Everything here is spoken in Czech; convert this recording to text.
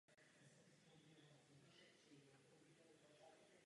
Kromě mužského týmu hrály i žákovské či dorostenecké týmy.